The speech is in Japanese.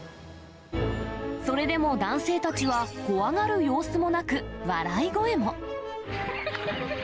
それでも男性たちは、怖がる様子もなく、笑い声も。